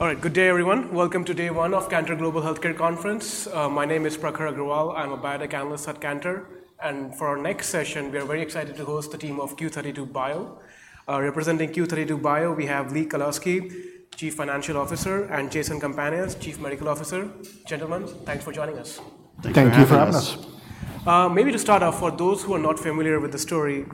All right, good day, everyone. Welcome to day one of Cantor Global Healthcare Conference. My name is Prakhar Agrawal. I'm a biotech analyst at Cantor, and for our next session, we are very excited to host the team of Q32 Bio. Representing Q32 Bio, we have Lee Kalowski, Chief Financial Officer, and Jason Campagna, Chief Medical Officer. Gentlemen, thanks for joining us. Thank you for having us. Thank you for having us. Maybe to start off, for those who are not familiar with the story,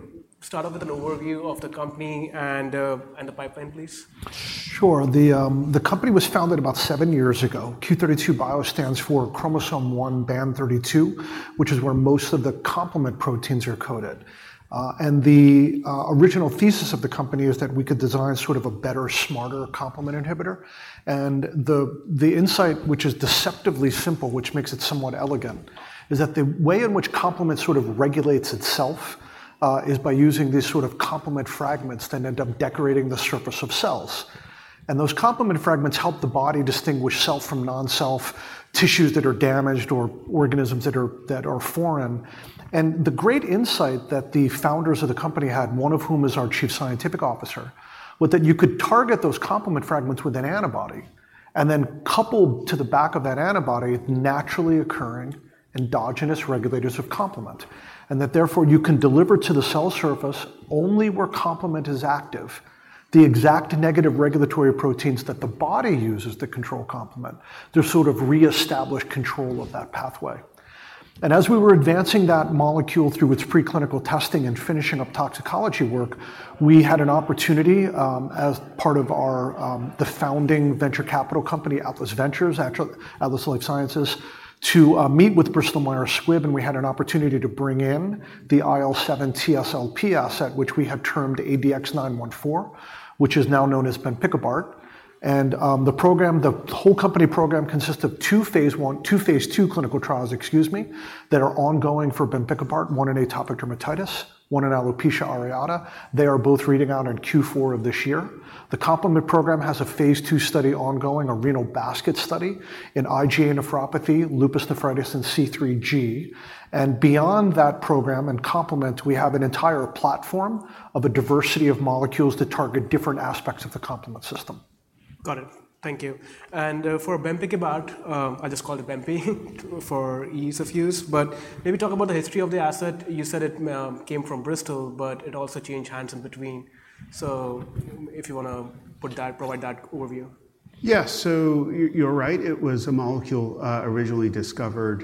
start off with an overview of the company and the pipeline, please. Sure. The company was founded about seven years ago. Q32 Bio stands for chromosome one band 32, which is where most of the complement proteins are coded, and the original thesis of the company is that we could design sort of a better, smarter complement inhibitor, and the insight, which is deceptively simple, which makes it somewhat elegant, is that the way in which complement sort of regulates itself is by using these sort of complement fragments that end up decorating the surface of cells, and those complement fragments help the body distinguish self from non-self, tissues that are damaged or organisms that are foreign. The great insight that the founders of the company had, one of whom is our Chief Scientific Officer, was that you could target those complement fragments with an antibody, and then couple to the back of that antibody, naturally occurring endogenous regulators of complement, and that therefore, you can deliver to the cell surface only where complement is active, the exact negative regulatory proteins that the body uses to control complement to sort of reestablish control of that pathway. As we were advancing that molecule through its preclinical testing and finishing up toxicology work, we had an opportunity, as part of our, the founding venture capital company, Atlas Venture, actually Atlas Life Sciences, to meet with Bristol Myers Squibb, and we had an opportunity to bring in the IL-7/TSLP asset, which we have termed ADX-914, which is now known as benpicobart. The program, the whole company program consists of two phase I, two phase II clinical trials, excuse me, that are ongoing for benpicobart, one in atopic dermatitis, one in alopecia areata. They are both reading out in Q4 of this year. The complement program has a phase II study ongoing, a renal basket study in IgA nephropathy, lupus nephritis, and C3G. Beyond that program in complement, we have an entire platform of a diversity of molecules that target different aspects of the complement system. Got it. Thank you. And for benpicobart, I just call it benpi for ease of use, but maybe talk about the history of the asset. You said it came from Bristol, but it also changed hands in between. So if you wanna put that, provide that overview. Yeah. So you're right, it was a molecule originally discovered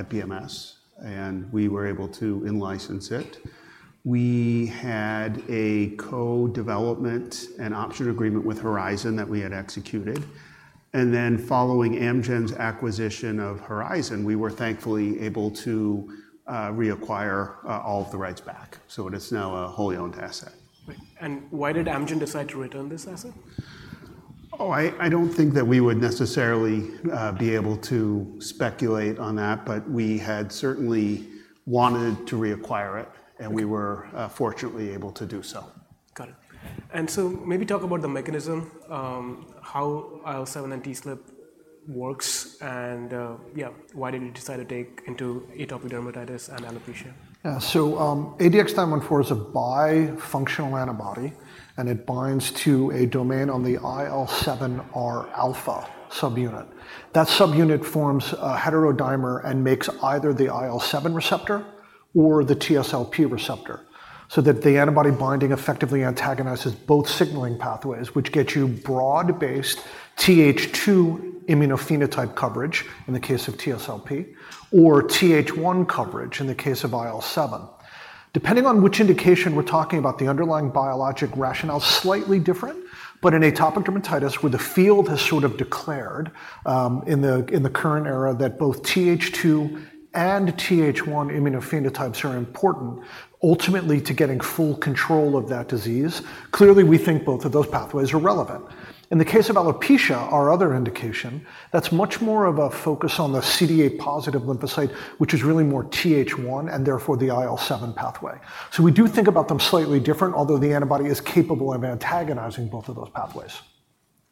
at BMS, and we were able to in-license it. We had a co-development and option agreement with Horizon that we had executed, and then following Amgen's acquisition of Horizon, we were thankfully able to reacquire all of the rights back. So it is now a wholly owned asset. Right. And why did Amgen decide to return this asset? Oh, I don't think that we would necessarily be able to speculate on that, but we had certainly wanted to reacquire it, and we were fortunately able to do so. Got it. And so maybe talk about the mechanism, how IL-7 and TSLP works, and, yeah, why did you decide to take into atopic dermatitis and alopecia? Yeah. So, ADX-914 is a bifunctional antibody, and it binds to a domain on the IL-7R alpha subunit. That subunit forms a heterodimer and makes either the IL-7 receptor or the TSLP receptor, so that the antibody binding effectively antagonizes both signaling pathways, which gets you broad-based Th2 immunophenotype coverage, in the case of TSLP, or Th1 coverage, in the case of IL-7. Depending on which indication we're talking about, the underlying biologic rationale is slightly different, but in atopic dermatitis, where the field has sort of declared in the current era that both Th2 and Th1 immunophenotypes are important ultimately to getting full control of that disease, clearly, we think both of those pathways are relevant. In the case of alopecia, our other indication, that's much more of a focus on the CD8 positive lymphocyte, which is really more Th1, and therefore, the IL-7 pathway. We do think about them slightly different, although the antibody is capable of antagonizing both of those pathways.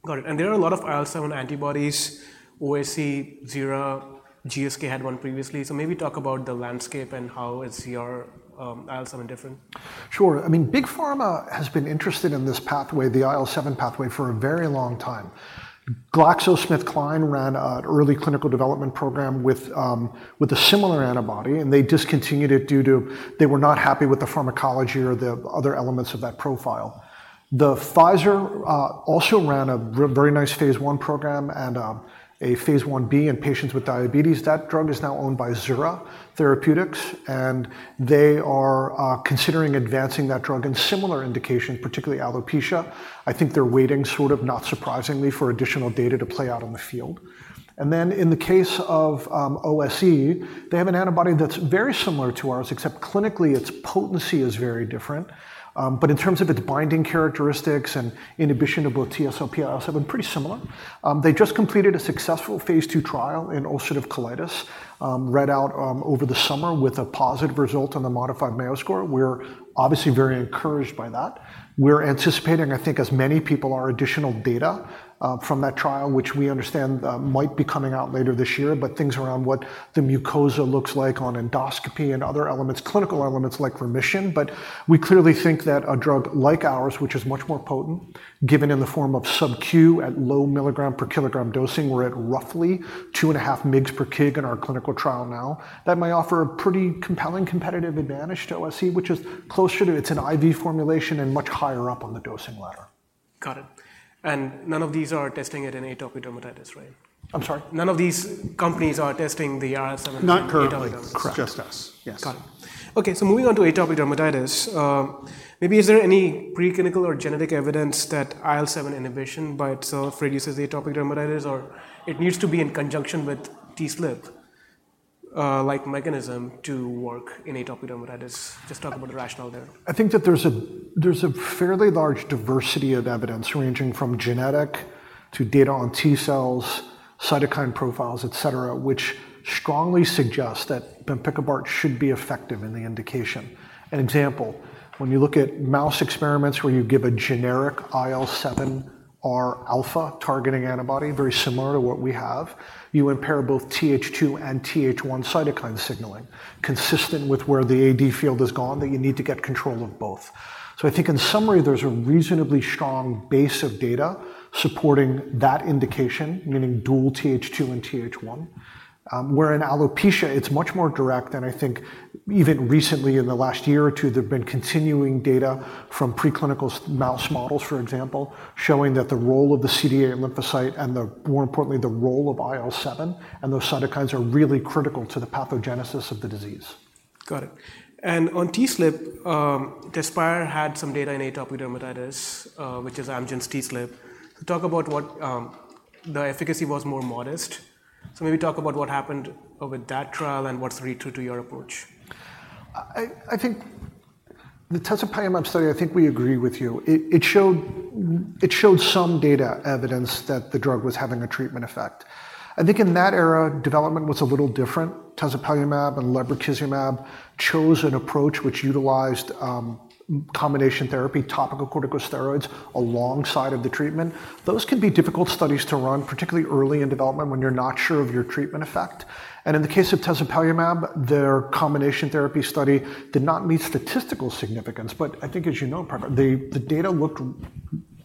Got it. And there are a lot of IL-7 antibodies, OSE, Zura, GSK had one previously, so maybe talk about the landscape and how is your IL-7 different? Sure. I mean, big pharma has been interested in this pathway, the IL-7 pathway, for a very long time. GlaxoSmithKline ran an early clinical development program with a similar antibody, and they discontinued it due to... They were not happy with the pharmacology or the other elements of that profile. Pfizer also ran a very nice phase I program and a phase I-B in patients with diabetes. That drug is now owned by Zura Bio, and they are considering advancing that drug in similar indications, particularly alopecia. I think they're waiting, sort of not surprisingly, for additional data to play out in the field. Then, in the case of OSE, they have an antibody that's very similar to ours, except clinically, its potency is very different. But in terms of its binding characteristics and inhibition of both TSLP, IL-7, pretty similar. They just completed a successful phase II trial in ulcerative colitis, read out over the summer with a positive result on the modified Mayo Score. We're obviously very encouraged by that. We're anticipating, I think, as many people, our additional data from that trial, which we understand might be coming out later this year, but things around what the mucosa looks like on endoscopy and other elements, clinical elements, like remission. But we clearly think that a drug like ours, which is much more potent, given in the form of sub-Q at low milligram per kilogram dosing, we're at roughly 2.5 mg/kg in our clinical trial now, that may offer a pretty compelling competitive advantage to OSE, which is closer to it. It's an IV formulation and much higher up on the dosing ladder.... Got it. And none of these are testing it in atopic dermatitis, right? I'm sorry? None of these companies are testing the IL-7 in atopic dermatitis? Not currently. Correct. Just us, yes. Got it. Okay, so moving on to atopic dermatitis, maybe is there any preclinical or genetic evidence that IL-7 inhibition by itself reduces atopic dermatitis, or it needs to be in conjunction with TSLP, like mechanism to work in atopic dermatitis? Just talk about the rationale there. I think that there's a fairly large diversity of evidence, ranging from genetic to data on T cells, cytokine profiles, et cetera, which strongly suggest that benpicobart should be effective in the indication. An example, when you look at mouse experiments where you give a generic IL-7R alpha targeting antibody, very similar to what we have, you impair both Th2 and Th1 cytokine signaling, consistent with where the AD field has gone, that you need to get control of both. So I think in summary, there's a reasonably strong base of data supporting that indication, meaning dual Th2 and Th1. where in alopecia, it's much more direct than I think even recently in the last year or two, there've been continuing data from preclinical mouse models, for example, showing that the role of the CD8 lymphocyte and, more importantly, the role of IL-7 and those cytokines are really critical to the pathogenesis of the disease. Got it. And on TSLP, Tezspire had some data in atopic dermatitis, which is Amgen's TSLP. Talk about what the efficacy was more modest. So maybe talk about what happened over that trial and what's related to your approach. I think the tezepelumab study. I think we agree with you. It showed some data evidence that the drug was having a treatment effect. I think in that era, development was a little different. Tezepelumab and lebrikizumab chose an approach which utilized combination therapy, topical corticosteroids alongside of the treatment. Those can be difficult studies to run, particularly early in development when you're not sure of your treatment effect. In the case of tezepelumab, their combination therapy study did not meet statistical significance. I think as you know, Prakhar, the data looked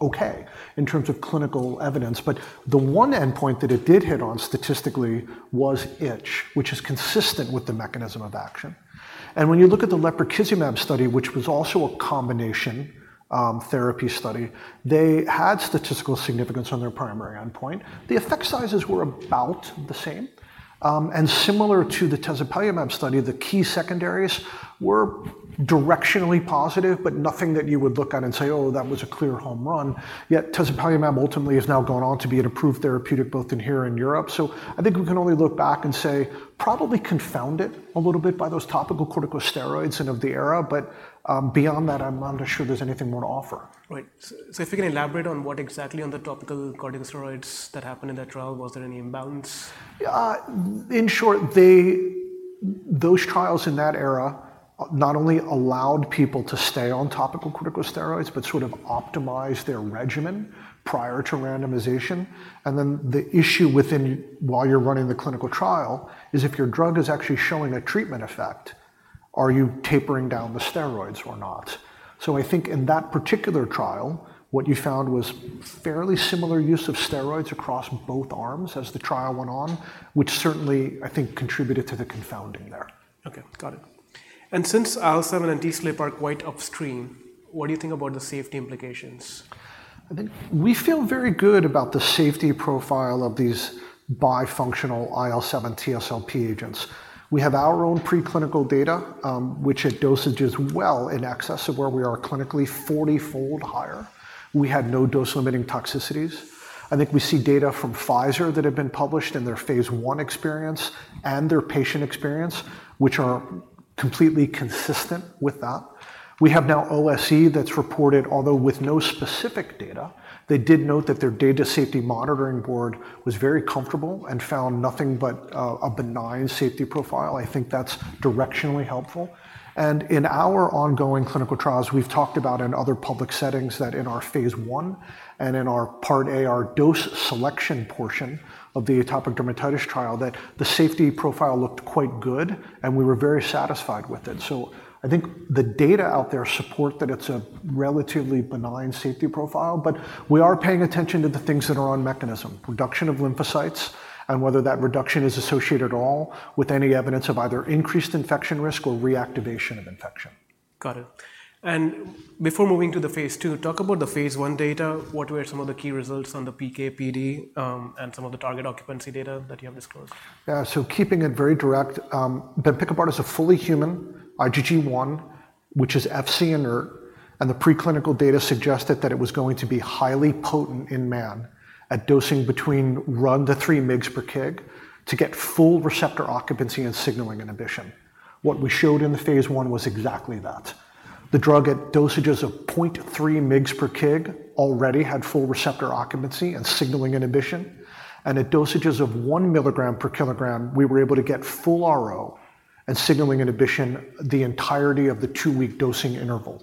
okay in terms of clinical evidence. The one endpoint that it did hit on statistically was itch, which is consistent with the mechanism of action. When you look at the lebrikizumab study, which was also a combination therapy study, they had statistical significance on their primary endpoint. The effect sizes were about the same, and similar to the tezepelumab study, the key secondaries were directionally positive, but nothing that you would look at and say, "Oh, that was a clear home run." Yet tezepelumab ultimately has now gone on to be an approved therapeutic, both in here and Europe, so I think we can only look back and say, probably confounded a little bit by those topical corticosteroids and of the era, but beyond that, I'm not sure there's anything more to offer. Right. So if you can elaborate on what exactly on the topical corticosteroids that happened in that trial, was there any imbalance? in short, they, those trials in that era not only allowed people to stay on topical corticosteroids, but sort of optimized their regimen prior to randomization. And then the issue within, while you're running the clinical trial, is if your drug is actually showing a treatment effect, are you tapering down the steroids or not? So I think in that particular trial, what you found was fairly similar use of steroids across both arms as the trial went on, which certainly, I think, contributed to the confounding there. Okay, got it, and since IL-7 and TSLP are quite upstream, what do you think about the safety implications? I think we feel very good about the safety profile of these bifunctional IL-7 TSLP agents. We have our own preclinical data, which at dosages well in excess of where we are clinically, 40-fold higher. We had no dose-limiting toxicities. I think we see data from Pfizer that have been published in their phase I experience and their patient experience, which are completely consistent with that. We have now OSE that's reported, although with no specific data, they did note that their data safety monitoring board was very comfortable and found nothing but, a benign safety profile. I think that's directionally helpful. And in our ongoing clinical trials, we've talked about in other public settings that in our phase I and in our Part A, our dose selection portion of the atopic dermatitis trial, that the safety profile looked quite good, and we were very satisfied with it. So I think the data out there support that it's a relatively benign safety profile, but we are paying attention to the things that are on mechanism, reduction of lymphocytes, and whether that reduction is associated at all with any evidence of either increased infection risk or reactivation of infection. Got it. And before moving to the phase two, talk about the phase one data. What were some of the key results on the PK/PD and some of the target occupancy data that you have disclosed? So keeping it very direct, benpicobart is a fully human IgG1, which is Fc inert, and the preclinical data suggested that it was going to be highly potent in man at dosing between 1-3 mg/kg to get full receptor occupancy and signaling inhibition. What we showed in the phase I was exactly that. The drug at dosages of 0.3 mg/kg already had full receptor occupancy and signaling inhibition, and at dosages of 1 mg/kg, we were able to get full RO and signaling inhibition, the entirety of the two-week dosing interval.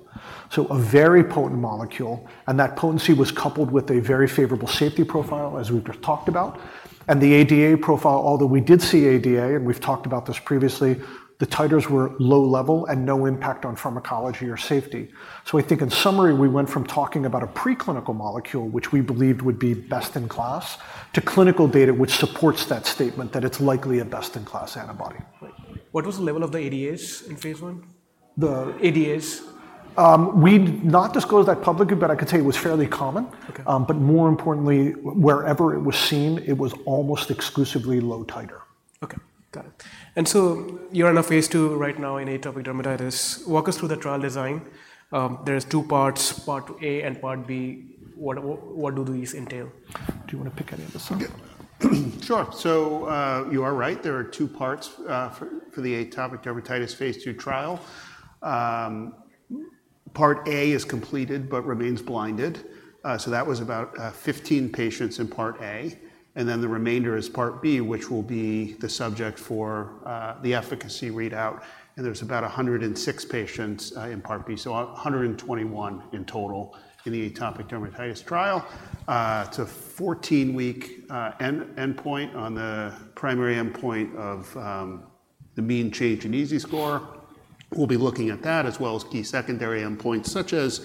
So a very potent molecule, and that potency was coupled with a very favorable safety profile, as we've just talked about. And the ADA profile, although we did see ADA, and we've talked about this previously, the titers were low level and no impact on pharmacology or safety. So I think in summary, we went from talking about a preclinical molecule, which we believed would be best in class, to clinical data, which supports that statement that it's likely a best-in-class antibody. Right. What was the level of the ADAs in phase I?... the ADAs? We've not disclosed that publicly, but I can tell you it was fairly common. Okay. But, more importantly, wherever it was seen, it was almost exclusively low titer. Okay, got it. And so you're in a phase II right now in atopic dermatitis. Walk us through the trial design. There's two parts: Part A and Part B. What, what do these entail? Do you want to pick any of this one? Yeah. Sure. So, you are right, there are two parts, for the atopic dermatitis phase II trial. Part A is completed but remains blinded. So that was about 15 patients in Part A, and then the remainder is Part B, which will be the subject for the efficacy readout, and there's about 106 patients in Part B, so 121 in total in the atopic dermatitis trial. It's a 14-week endpoint on the primary endpoint of the mean change in EASI score. We'll be looking at that, as well as key secondary endpoints, such as,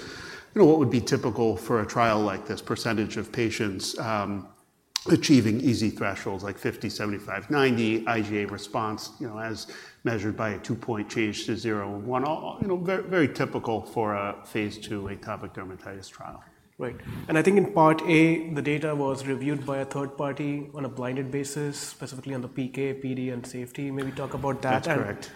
you know, what would be typical for a trial like this, percentage of patients achieving EASI thresholds, like 50, 75, 90, IGA response, you know, as measured by a two-point change to 0-1. You know, very typical for a phase II atopic dermatitis trial. Right. And I think in Part A, the data was reviewed by a third party on a blinded basis, specifically on the PK, PD, and safety. Maybe talk about that. That's correct.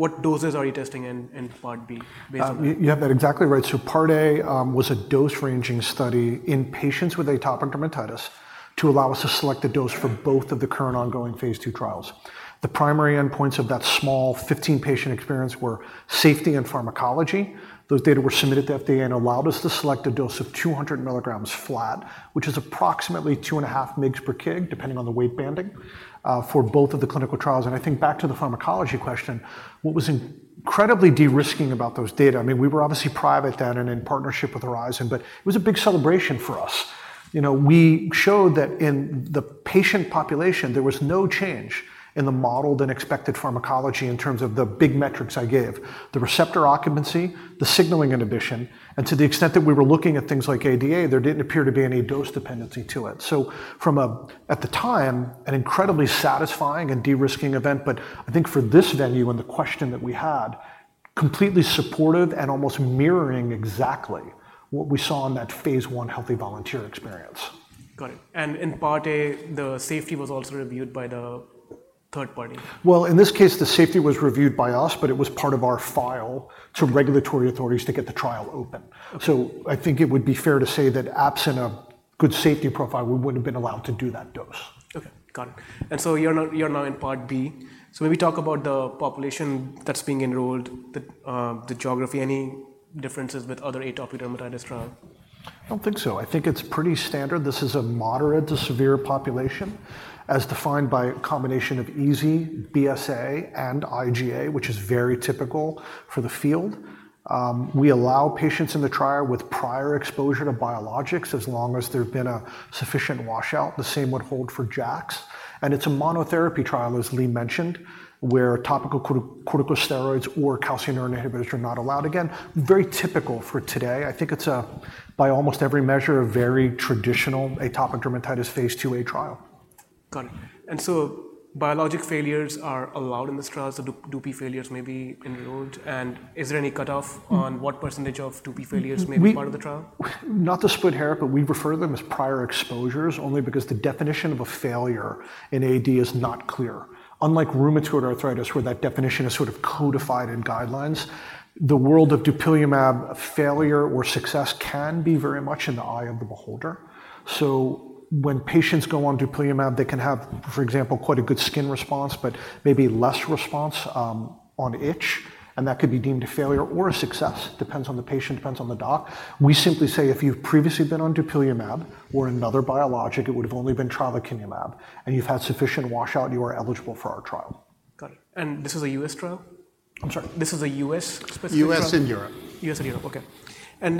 What doses are you testing in Part B, basically? You have that exactly right. So Part A was a dose-ranging study in patients with atopic dermatitis to allow us to select the dose for both of the current ongoing phase II trials. The primary endpoints of that small 15 patient experience were safety and pharmacology. Those data were submitted to the FDA and allowed us to select a dose of 200 mg flat, which is approximately 2.5 mg/kg depending on the weight banding for both of the clinical trials. And I think back to the pharmacology question, what was incredibly de-risking about those data, I mean, we were obviously private then and in partnership with Horizon, but it was a big celebration for us. You know, we showed that in the patient population, there was no change in the modeled and expected pharmacology in terms of the big metrics I gave. The receptor occupancy, the signaling inhibition, and to the extent that we were looking at things like ADA, there didn't appear to be any dose dependency to it. So from a, at the time, an incredibly satisfying and de-risking event, but I think for this venue and the question that we had, completely supportive and almost mirroring exactly what we saw in that phase I healthy volunteer experience. Got it. And in Part A, the safety was also reviewed by the third party? In this case, the safety was reviewed by us, but it was part of our file to regulatory authorities to get the trial open. Okay. I think it would be fair to say that absent a good safety profile, we wouldn't have been allowed to do that dose. Okay, got it. And so you're now in Part B. So maybe talk about the population that's being enrolled, the geography. Any differences with other atopic dermatitis trial? I don't think so. I think it's pretty standard. This is a moderate to severe population, as defined by a combination of EASI, BSA, and IGA, which is very typical for the field. We allow patients in the trial with prior exposure to biologics, as long as there have been a sufficient washout. The same would hold for JAKs. And it's a monotherapy trial, as Lee mentioned, where topical corticosteroids or calcineurin inhibitors are not allowed. Again, very typical for today. I think it's a, by almost every measure, a very traditional atopic dermatitis phase II-A trial. Got it. And so biologic failures are allowed in this trial, so Dupi failures may be enrolled, and is there any cutoff on what percentage of Dupi failures may be part of the trial? Not to split hairs, but we refer to them as prior exposures only because the definition of a failure in AD is not clear. Unlike rheumatoid arthritis, where that definition is sort of codified in guidelines, the world of dupilumab, failure or success can be very much in the eye of the beholder. So when patients go on dupilumab, they can have, for example, quite a good skin response, but maybe less response on itch, and that could be deemed a failure or a success, depends on the patient, depends on the doc. We simply say, "If you've previously been on dupilumab or another biologic, it would've only been tralokinumab, and you've had sufficient washout, you are eligible for our trial. Got it, and this is a U.S. trial? I'm sorry, this is a U.S.-specific trial? U.S. and Europe. U.S. and Europe. Okay. And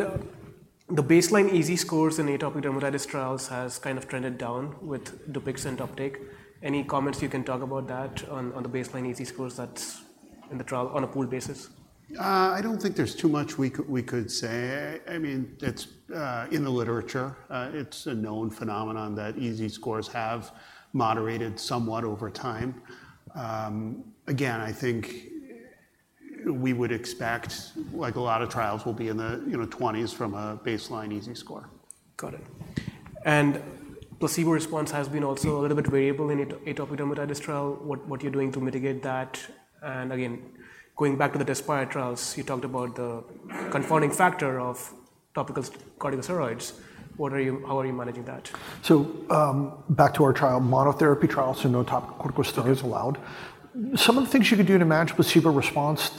the baseline EASI scores in atopic dermatitis trials has kind of trended down with Dupixent uptake. Any comments you can talk about that on the baseline EASI scores that's in the trial on a pool basis? I don't think there's too much we could say. I mean, it's in the literature, it's a known phenomenon that EASI scores have moderated somewhat over time. Again, I think we would expect, like a lot of trials, will be in the twenties from a baseline EASI score. Got it. And placebo response has been also a little bit variable in atopic dermatitis trial. What are you doing to mitigate that? And again, going back to the Tezspire trials, you talked about the confounding factor of topical corticosteroids. How are you managing that? So, back to our trial, monotherapy trial, so no topical corticosteroids allowed. Some of the things you could do to manage placebo response,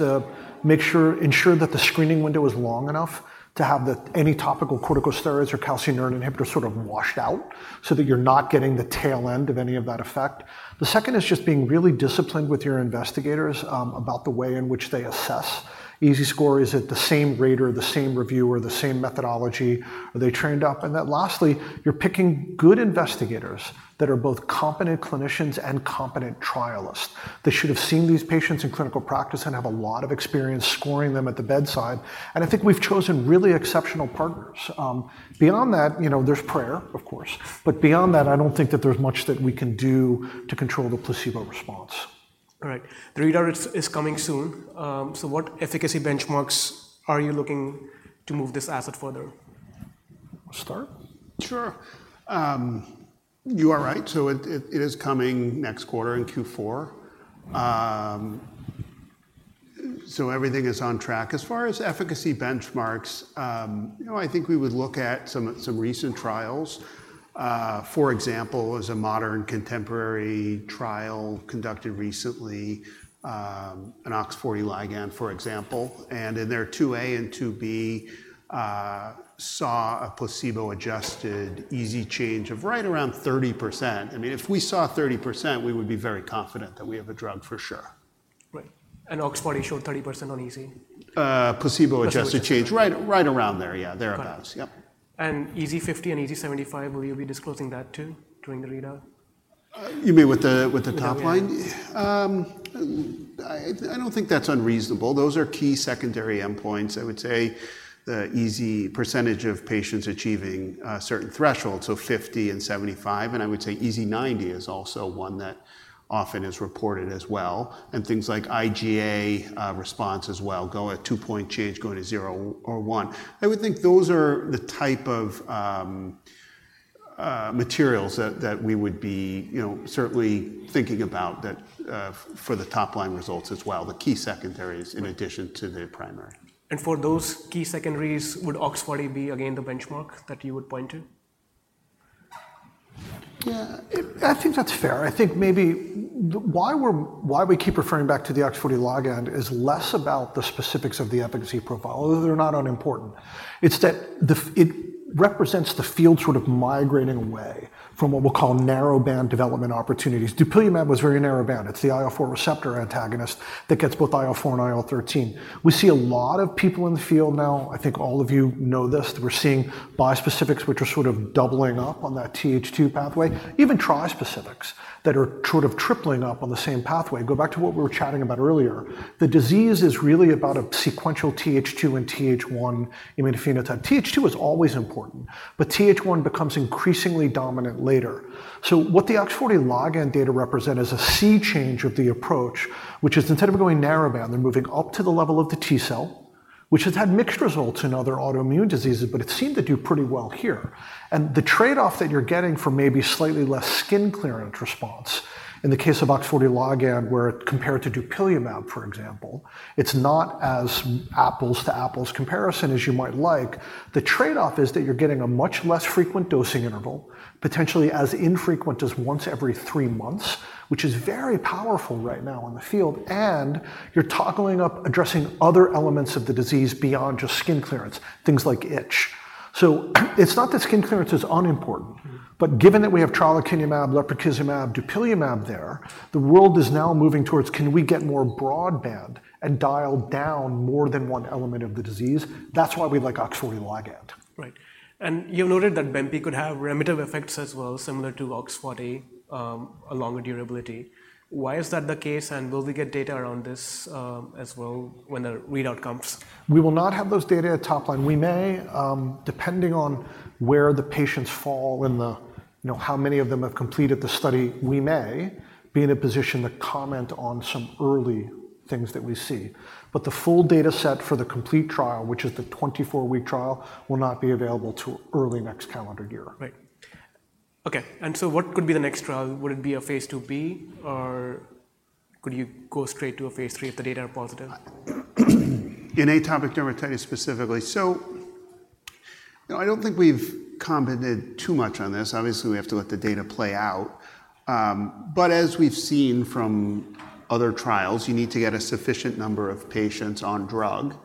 ensure that the screening window is long enough to have any topical corticosteroids or calcineurin inhibitor sort of washed out, so that you're not getting the tail end of any of that effect. The second is just being really disciplined with your investigators about the way in which they assess EASI score. Is it the same rater, the same reviewer, the same methodology? Are they trained up? And then lastly, you're picking good investigators that are both competent clinicians and competent trialists. They should have seen these patients in clinical practice and have a lot of experience scoring them at the bedside, and I think we've chosen really exceptional partners. Beyond that, you know, there's prayer, of course, but beyond that, I don't think that there's much that we can do to control the placebo response. All right. The readout is coming soon, so what efficacy benchmarks are you looking to move this asset further? Want to start? Sure. You are right, so it is coming next quarter in Q4, so everything is on track. As far as efficacy benchmarks, you know, I think we would look at some recent trials. For example, as a modern contemporary trial conducted recently, in OX40 ligand, for example, and in their 2a and 2b, saw a placebo-adjusted EASI change of right around 30%. I mean, if we saw 30%, we would be very confident that we have a drug for sure. Right. And OX40 showed 30% on EASI? Uh, placebo-adjusted- Adjusted... change. Right, right around there, yeah. Got it. Thereabouts. Yep. EASI 50 and EASI 75, will you be disclosing that, too, during the readout? You mean with the top line? With the top line. I don't think that's unreasonable. Those are key secondary endpoints. I would say the EASI percentage of patients achieving a certain threshold, so 50 and 75, and I would say EASI 90 is also one that often is reported as well, and things like IGA response as well, a two-point change, going to 0 or 1. I would think those are the type of materials that we would be, you know, certainly thinking about that for the top-line results as well, the key secondaries- Right... in addition to the primary. For those key secondaries, would OX40 be again the benchmark that you would point to? Yeah, it... I think that's fair. I think maybe why we're, why we keep referring back to the OX40 ligand is less about the specifics of the efficacy profile, although they're not unimportant. It's that it represents the field sort of migrating away from what we'll call narrowband development opportunities. Dupilumab was very narrowband. It's the IL-4 receptor antagonist that gets both IL-4 and IL-13. We see a lot of people in the field now, I think all of you know this, that we're seeing bispecifics, which are sort of doubling up on that Th2 pathway, even trispecifics, that are sort of tripling up on the same pathway. Go back to what we were chatting about earlier. The disease is really about a sequential Th2 and Th1 immunophenotype. Th2 is always important, but Th1 becomes increasingly dominant later. So what the OX40 ligand data represent is a sea change of the approach, which is, instead of going narrowband, they're moving up to the level of the T cell, which has had mixed results in other autoimmune diseases, but it seemed to do pretty well here. And the trade-off that you're getting for maybe slightly less skin clearance response, in the case of OX40 ligand, where compared to dupilumab, for example, it's not as apples to apples comparison as you might like. The trade-off is that you're getting a much less frequent dosing interval, potentially as infrequent as once every three months, which is very powerful right now in the field, and you're toggling up addressing other elements of the disease beyond just skin clearance, things like itch. So it's not that skin clearance is unimportant- Mm-hmm... but given that we have tralokinumab, lebrikizumab, dupilumab there, the world is now moving towards: Can we get more broadband and dial down more than one element of the disease? That's why we like OX40 ligand. Right. And you noted that benpicobart could have remittive effects as well, similar to OX40, along with durability. Why is that the case, and will we get data around this, as well, when the readout comes? We will not have those data at top line. We may, depending on where the patients fall in the, you know, how many of them have completed the study, we may be in a position to comment on some early things that we see. But the full data set for the complete trial, which is the 24 week trial, will not be available till early next calendar year. Right. Okay, and so what could be the next trial? Would it be a phase II-B, or could you go straight to a phase 3 if the data are positive? In atopic dermatitis specifically, so, you know, I don't think we've commented too much on this. Obviously, we have to let the data play out. But as we've seen from other trials, you need to get a sufficient number of patients on drug.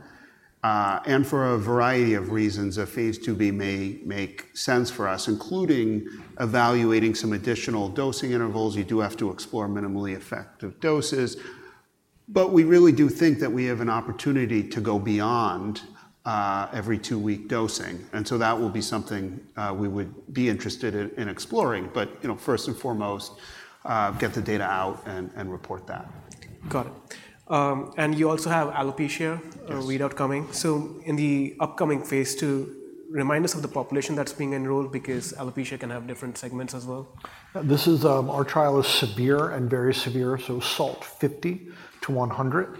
And for a variety of reasons, a phase II-B may make sense for us, including evaluating some additional dosing intervals. You do have to explore minimally effective doses. But we really do think that we have an opportunity to go beyond every two-week dosing, and so that will be something we would be interested in exploring. But, you know, first and foremost, get the data out and report that. Got it. And you also have alopecia- Yes... a readout coming. So in the upcoming phase two, remind us of the population that's being enrolled because alopecia can have different segments as well. This is our trial is severe and very severe, so SALT 50-100.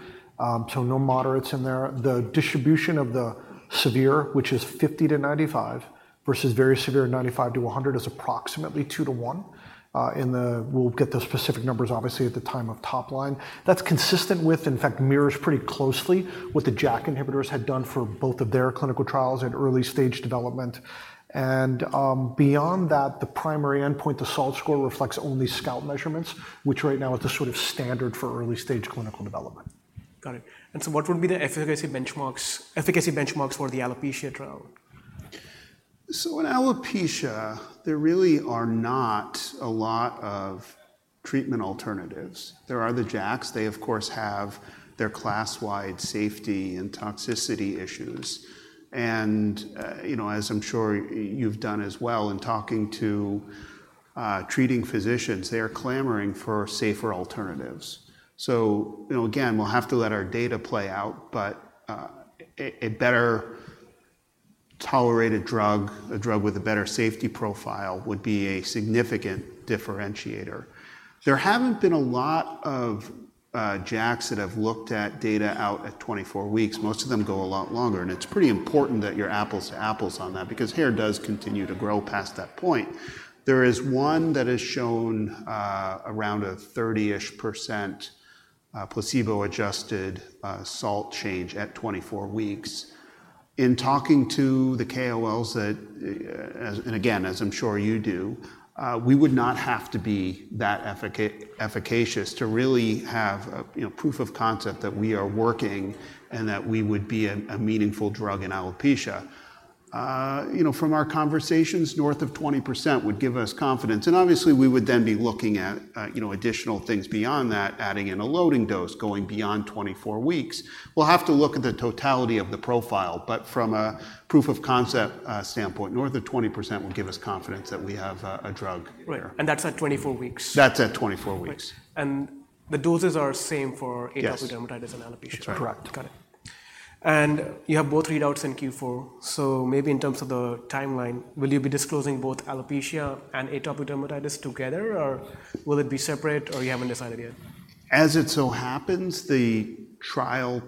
So no moderates in there. The distribution of the severe, which is 50-95, versus very severe, 95-100, is approximately 2-1. And we'll get the specific numbers, obviously, at the time of top line. That's consistent with, in fact, mirrors pretty closely what the JAK inhibitors had done for both of their clinical trials at early stage development. And beyond that, the primary endpoint, the SALT score, reflects only scalp measurements, which right now is the sort of standard for early stage clinical development. Got it. And so what would be the efficacy benchmarks for the alopecia trial? So in alopecia, there really are not a lot of treatment alternatives. There are the JAKs. They, of course, have their class-wide safety and toxicity issues. And, you know, as I'm sure you've done as well in talking to, treating physicians, they are clamoring for safer alternatives. So, you know, again, we'll have to let our data play out, but, a better-tolerated drug, a drug with a better safety profile would be a significant differentiator. There haven't been a lot of-... JAKs that have looked at data out at 24 weeks, most of them go a lot longer, and it's pretty important that you're apples to apples on that, because hair does continue to grow past that point. There is one that has shown around a 30-ish%, placebo-adjusted, SALT change at 24 weeks. In talking to the KOLs that, and again, as I'm sure you do, we would not have to be that efficacious to really have, you know, proof of concept that we are working, and that we would be a meaningful drug in alopecia. You know, from our conversations, north of 20% would give us confidence, and obviously, we would then be looking at, you know, additional things beyond that, adding in a loading dose, going beyond 24 weeks. We'll have to look at the totality of the profile, but from a proof of concept standpoint, north of 20% will give us confidence that we have a drug. Right. And that's at 24 weeks? That's at 24 weeks. And the doses are same for- Yes. Atopic dermatitis and alopecia? That's right. Correct. Got it. And you have both readouts in Q4, so maybe in terms of the timeline, will you be disclosing both alopecia and atopic dermatitis together, or will it be separate, or you haven't decided yet? As it so happens, the trial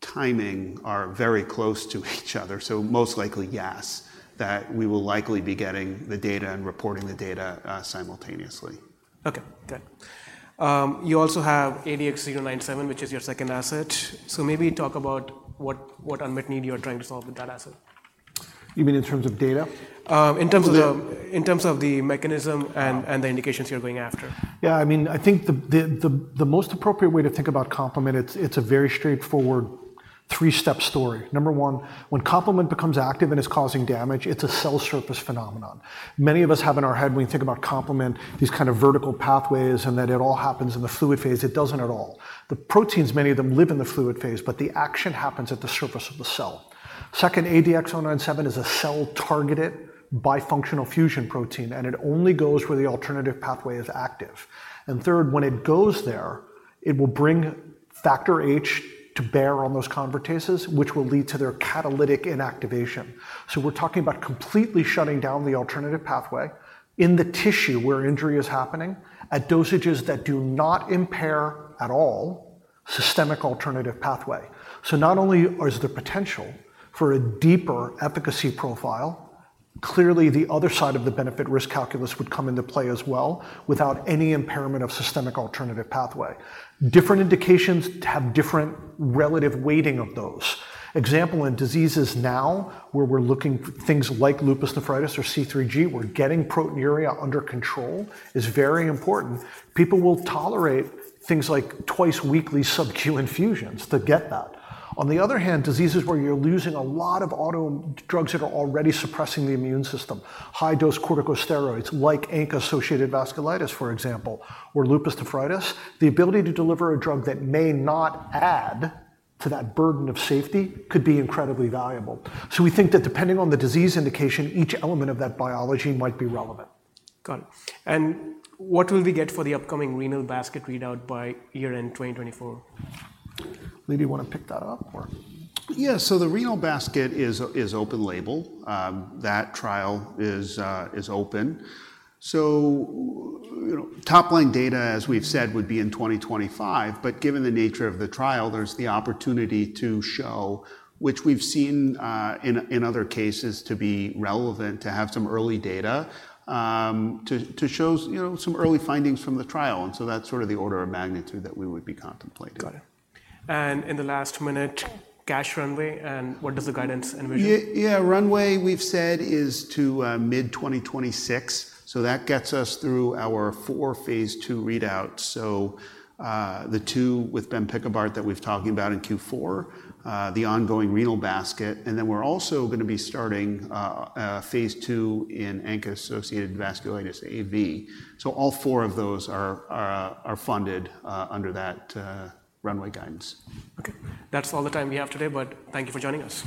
timing are very close to each other, so most likely, yes, that we will likely be getting the data and reporting the data, simultaneously. Okay. Good. You also have ADX-097, which is your second asset. So maybe talk about what unmet need you are trying to solve with that asset. You mean in terms of data? In terms of the- So the- In terms of the mechanism and the indications you're going after. Yeah, I mean, I think the most appropriate way to think about complement, it's a very straightforward three-step story. Number one, when complement becomes active and is causing damage, it's a cell surface phenomenon. Many of us have in our head when we think about complement, these kind of vertical pathways and that it all happens in the fluid phase. It doesn't at all. The proteins, many of them live in the fluid phase, but the action happens at the surface of the cell. Second, ADX-097 is a cell-targeted bifunctional fusion protein, and it only goes where the alternative pathway is active. And third, when it goes there, it will bring factor H to bear on those convertases, which will lead to their catalytic inactivation. So we're talking about completely shutting down the alternative pathway in the tissue where injury is happening, at dosages that do not impair, at all, systemic alternative pathway. So not only is there potential for a deeper efficacy profile, clearly the other side of the benefit-risk calculus would come into play as well, without any impairment of systemic alternative pathway. Different indications have different relative weighting of those. Example, in diseases now, where we're looking for things like lupus nephritis or C3G, where getting proteinuria under control is very important, people will tolerate things like twice-weekly sub-Q infusions to get that. On the other hand, diseases where you're using a lot of autoimmune drugs that are already suppressing the immune system, high-dose corticosteroids, like ANCA-associated vasculitis, for example, or lupus nephritis, the ability to deliver a drug that may not add to that burden of safety could be incredibly valuable. So we think that depending on the disease indication, each element of that biology might be relevant. Got it. And what will we get for the upcoming renal basket readout by year-end 2024? Lee, do you want to pick that up or.. Yeah, so the renal basket is open label. That trial is open. So, you know, top-line data, as we've said, would be in 2025, but given the nature of the trial, there's the opportunity to show, which we've seen in other cases, to be relevant, to have some early data, to show us, you know, some early findings from the trial, and so that's sort of the order of magnitude that we would be contemplating. Got it. And in the last minute, cash runway, and what does the guidance envision? Yeah, runway, we've said is to mid 2026, so that gets us through our four phase II readouts. So, the two with benpicobart that we've talking about in Q4, the ongoing renal basket, and then we're also gonna be starting phase II in ANCA-associated vasculitis, AV. So all four of those are funded under that runway guidance. Okay. That's all the time we have today, but thank you for joining us.